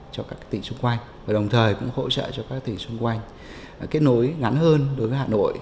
cho các tỉnh xung quanh và đồng thời cũng hỗ trợ cho các tỉnh xung quanh kết nối ngắn hơn đối với hà nội